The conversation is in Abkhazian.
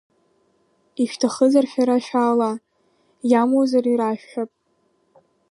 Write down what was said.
Ишәҭахызар шәара шәаала, иамуазар ирашәҳәап.